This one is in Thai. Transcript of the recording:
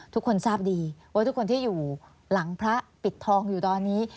ทุกคนทราบดีว่าทุกคนที่อยู่หลังพระปิดทองอยู่ตอนนี้